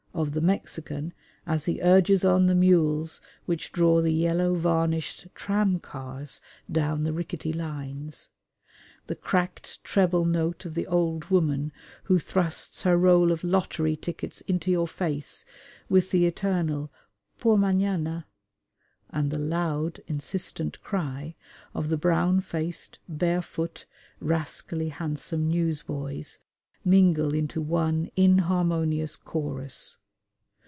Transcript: _" of the Mexican as he urges on the mules which draw the yellow varnished tramcars down the rickety lines: the cracked treble note of the old woman who thrusts her roll of lottery tickets into your face with the eternal "Por mañana," and the loud insistent cry of the brown faced, barefoot, rascally handsome newsboys, mingle into one inharmonious chorus.